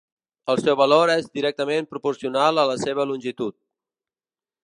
El seu valor és directament proporcional a la seva longitud.